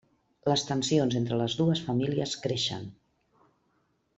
Les tensions entre les dues famílies creixen.